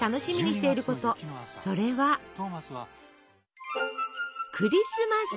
それはクリスマス！